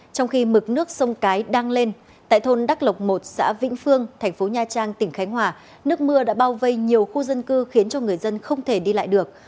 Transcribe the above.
trong khi mực nước sông cái đang lên tại thôn đắc lộc một xã vĩnh phương thành phố nha trang tỉnh khánh hòa nước mưa đã bao vây nhiều khu dân cư khiến cho người dân không thể đi lại được